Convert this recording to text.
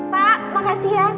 pak makasih ya